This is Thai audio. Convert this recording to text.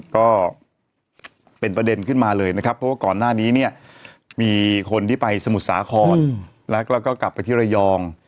ก็เป็นประเด็นขึ้นมาเลยนะครับเพราะว่าก่อนหน้านี้เนี่ยมีคนที่ไปสมุทรสาครแล้วก็กลับไปที่ระยอง